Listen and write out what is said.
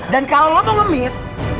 dan kalau lo mau ngemis